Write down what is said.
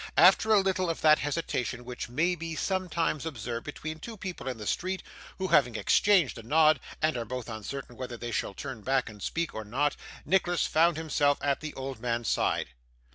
After a little of that hesitation which may be sometimes observed between two people in the street who have exchanged a nod, and are both uncertain whether they shall turn back and speak, or not, Nicholas found himself at the old man's side.